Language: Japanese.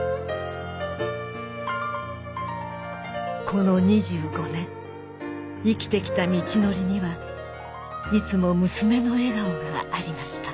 この２５年生きて来た道のりにはいつも娘の笑顔がありました